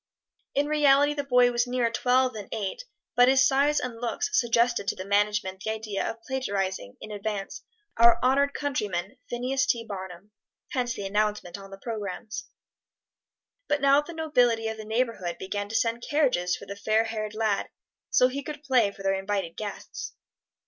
In reality the boy was nearer twelve than eight, but his size and looks suggested to the management the idea of plagiarizing, in advance, our honored countryman, Phineas T. Barnum. Hence the announcement on the programs. But now the nobility of the neighborhood began to send carriages for the fair haired lad, so he could play for their invited guests.